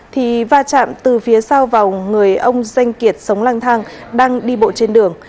thì va chạm từ phía sau vào người ông danh kiệt sống lang thang đang đi bộ trên đường